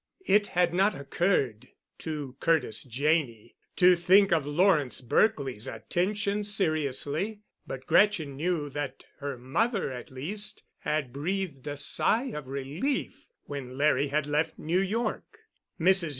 It had not occurred to Curtis Janney to think of Lawrence Berkely's attentions seriously, but Gretchen knew that her mother, at least, had breathed a sigh of relief when Larry had left New York. Mrs.